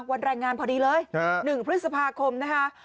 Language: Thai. วันรายงานพอดีเลยครับหนึ่งพฤษภาคมนะคะ